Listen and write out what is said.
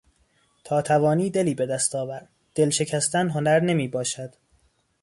تا توانی دلی به دست آوردل شکستن هنر نمیباشد